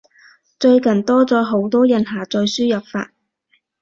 最近多咗好多人下載輸入法